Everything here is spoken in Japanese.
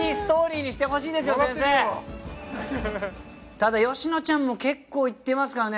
ただよしのちゃんも結構いってますからね。